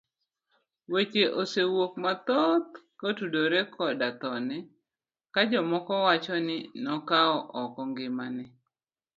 Weche osewuok mathoth kotudore koda thone ka jomoko wacho ni nokawo oko ngimane.